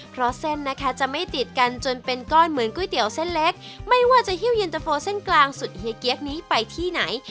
เพราะเส้นนะคะจะไม่ติดกันจนเป็นก้อนเหมือนก๋วยเตี๋ยวเส้นเล็กไม่ว่าจะหิ้วเย็นตะโฟเส้นกลางสุดเฮียเกี๊ยกนี้ไปที่ไหน